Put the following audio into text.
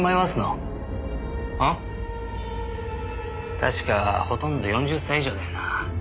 確かほとんど４０歳以上だよな？